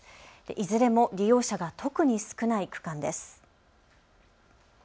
いずれも利用者が特に少ない区間です。